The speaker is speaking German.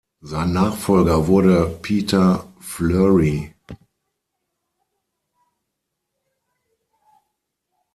Sein Nachfolger wurde Peter Flury.